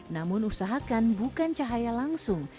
namun usahakan bukan cahaya langsung